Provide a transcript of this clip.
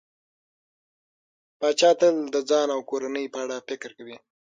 پاچا تل د ځان او کورنۍ په اړه فکر کوي.